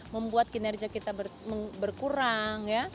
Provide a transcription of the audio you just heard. membuat kinerja kita berkurang